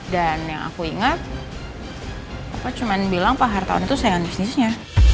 dan yang aku inget papa cuman bilang pak hartawan itu saingan bisnisnya